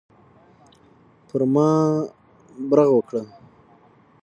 پر ما برغ وکړه.